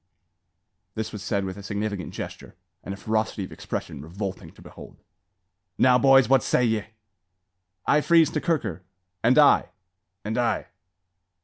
This was said with a significant gesture, and a ferocity of expression revolting to behold. "Now, boys! what say ye?" "I freeze to Kirker." "And I." "And I."